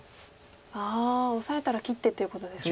ああオサえたら切ってっていうことですか？